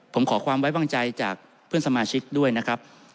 ผมขอความไว้วางใจจากเพื่อนสมาชิกด้วยนะครับ